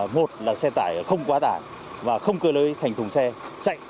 một là xe tải không quá tải và không cơ lưới thành thùng xe chạy